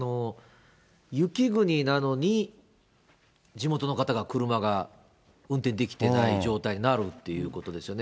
雪国なのに地元の方が車が運転できてない状態になるということですよね。